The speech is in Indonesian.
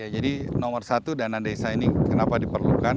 jadi nomor satu dana desa ini kenapa diperlukan